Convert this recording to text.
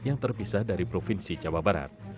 yang terpisah dari provinsi jawa barat